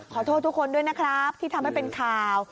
ขอโทษทุกคนด้วยนะครับที่ทำให้เป็นข่าว